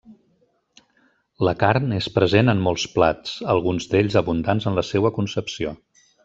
La carn és present en molts plats, alguns d'ells abundants en la seua concepció.